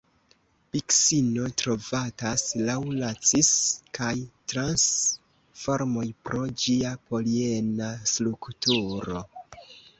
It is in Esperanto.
Biksino trovatas laŭ la cis kaj trans formoj pro ĝia poliena strukturo.